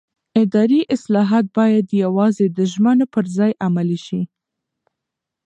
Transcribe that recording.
اداري اصلاحات باید یوازې د ژمنو پر ځای عملي شي